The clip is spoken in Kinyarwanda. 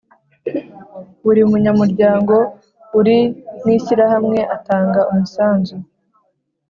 Buri munyamuryango uri mu ishyirahamwe atanga umusanzu